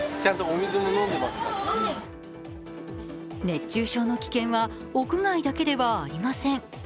熱中症の危険は屋外だけではありません。